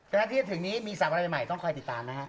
กระทั่งที่จะถึงนี้มีศัพท์อะไรใหม่ต้องคอยติดตามนะครับ